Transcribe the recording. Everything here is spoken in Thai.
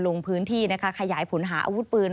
ลงพื้นที่นะคะขยายผลหาอาวุธปืน